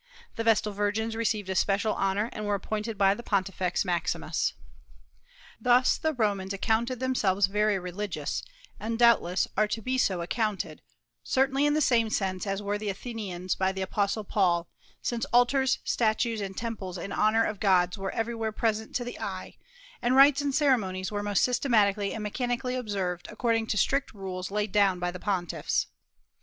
The Vestal virgins received especial honor, and were appointed by the Pontifex Maximus. Thus the Romans accounted themselves very religious, and doubtless are to be so accounted, certainly in the same sense as were the Athenians by the Apostle Paul, since altars, statues, and temples in honor of gods were everywhere present to the eye, and rites and ceremonies were most systematically and mechanically observed according to strict rules laid down by the pontiffs.